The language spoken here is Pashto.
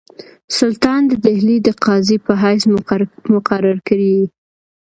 سلطان د ډهلي د قاضي په حیث مقرر کړی یې.